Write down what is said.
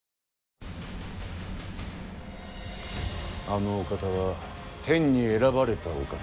あのお方は天に選ばれたお方。